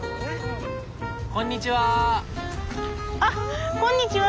あっこんにちは。